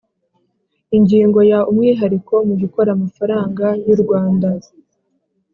Ingingo ya Umwihariko mu gukora amafaranga yu Rwanda.